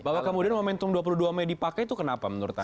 bahwa kemudian momentum dua puluh dua mei dipakai itu kenapa menurut anda